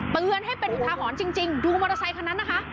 เตือนให้เป็นอุทาหรณ์จริงดูมอเตอร์ไซคันนั้นนะคะ